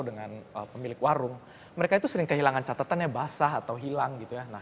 dengan toko dengan pemilik warung mereka itu sering kehilangan catatannya basah atau hilang